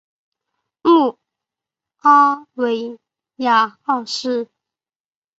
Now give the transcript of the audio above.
穆阿维亚二世。